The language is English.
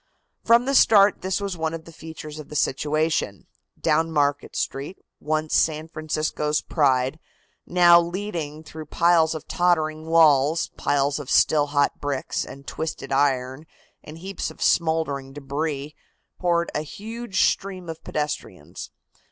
From the start this was one of the features of the situation. Down Market Street, once San Francisco's pride, now leading through piles of tottering walls, piles of still hot bricks and twisted iron and heaps of smouldering debris, poured a huge stream of pedestrians.